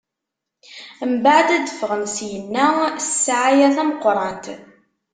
Mbeɛd ad d-ffɣen syenna s ssɛaya tameqrant.